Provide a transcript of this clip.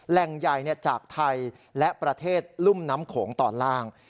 แหล่งใหญ่จากไทยและประเทศรุ่มน้ำโขงตอนล่าง